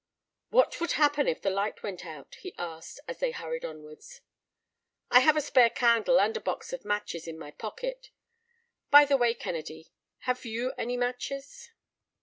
"What would happen if the light went out?" he asked, as they hurried onwards. "I have a spare candle and a box of matches in my pocket. By the way, Kennedy, have you any matches?"